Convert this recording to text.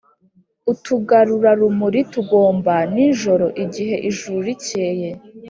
Utugarurarumuri tugomba n'ijoro igihe ijuru rikeye